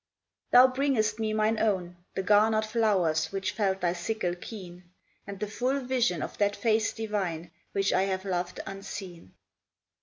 Thou bringest me mine own, The garnered flowers which felt thy sickle keen, And the full vision of that Face divine, Which I have loved unseen.